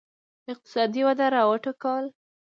اقتصادي وده را وټوکول.